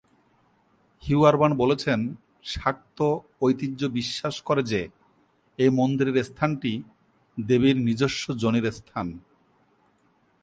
Hugh Urban বলেছেন, শাক্ত ঐতিহ্য বিশ্বাস করে যে, এই মন্দিরের স্থানটি "দেবীর নিজস্ব যোনির স্থান"।